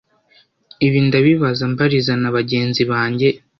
Ibi ndabibaza mbariza na bagenzi banjye